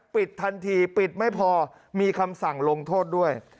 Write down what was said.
ปิดทันทีปิดไม่พอมีคำสั่งลงโทษด้วย